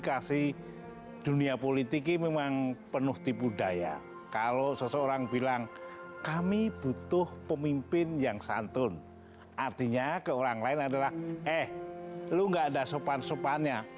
adalah eh lu gak ada sopan sopannya